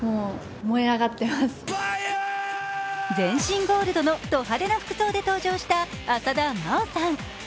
全身ゴールドのド派手な服装で登場した浅田真央さん。